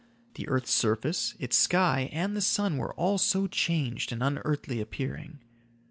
The earth's surface, its sky and the sun were all so changed and unearthly appearing.